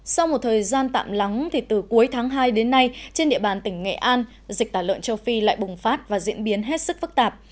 sau một thời gian tạm lắng từ cuối tháng hai đến nay trên địa bàn tỉnh nghệ an dịch tả lợn châu phi lại bùng phát và diễn biến hết sức phức tạp